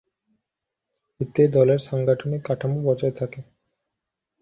এতে দলের সাংগঠনিক কাঠামো বজায় থাকে।